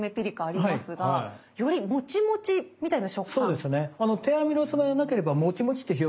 そうなんですね。